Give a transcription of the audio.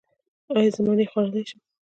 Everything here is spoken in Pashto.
ایا زه مڼه خوړلی شم؟